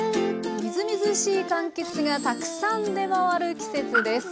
みずみずしいかんきつがたくさん出回る季節です。